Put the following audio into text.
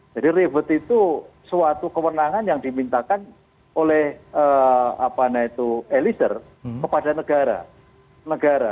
jadi revert itu suatu kewenangan yang dimintakan oleh elisir kepada negara